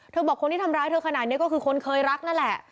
บอกคนที่ทำร้ายเธอขนาดนี้ก็คือคนเคยรักนั่นแหละ